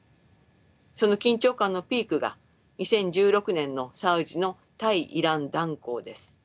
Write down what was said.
その緊張感のピークが２０１６年のサウジの対イラン断交です。